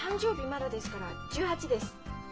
まだですから１８です。